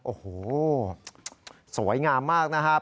โอ้โหสวยงามมากนะครับ